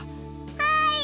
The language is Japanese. はい！